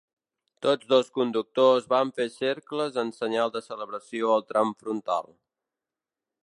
Tots dos conductors van fer cercles en senyal de celebració al tram frontal.